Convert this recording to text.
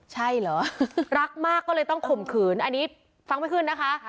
ใช่เหรอรักมากก็เลยต้องข่มขืนอันนี้ฟังไม่ขึ้นนะคะ